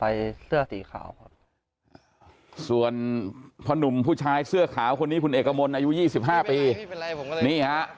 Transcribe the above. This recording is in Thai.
ขับเสื้อสีขาวส่วนนุ่มผู้ชายเสื้อขาวคนนี้คุณเอกมณอายุ๒๕ปี